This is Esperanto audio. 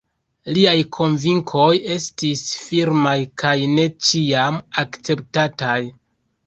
Liaj konvinkoj estis firmaj kaj ne ĉiam akceptataj.